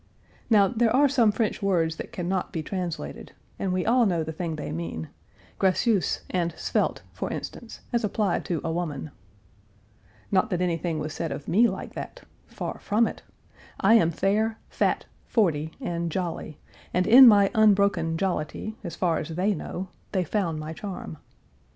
Now there are some French words that can not be translated, and we all know the thing they mean gracieuse and svelte, for instance, as applied to a woman. Not that anything was said of me like that far from it. I am fair, fat, forty, and jolly, and in my unbroken jollity, as far as they know, they found my charm.